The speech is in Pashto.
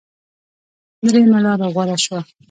درېمه لاره غوره شوه.